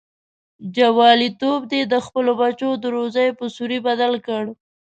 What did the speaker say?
جواليتوب دې د خپلو بچو د روزۍ په سوري بدل کړ.